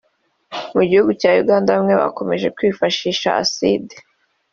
mu gihugu cya Uganda bamwe bakomeje kwifashisha acide